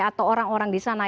atau orang orang di sana